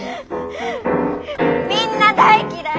みんな大嫌い！